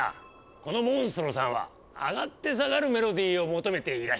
このモンストロさんは上がって下がるメロディーを求めていらっしゃる。